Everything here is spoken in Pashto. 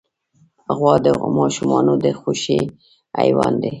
غوا د ماشومانو د خوښې حیوان دی.